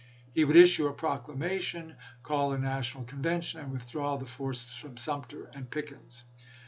He would issue a proclamation, call a national conven tion, and withdraw the forces from Sumter and Pickens.